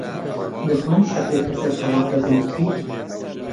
دەتوانیت شیعرێک لەسەر تەماتە بنووسیت؟